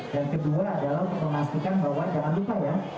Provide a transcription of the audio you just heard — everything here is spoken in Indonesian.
dan kedua adalah untuk memastikan bahwa jangan lupa ya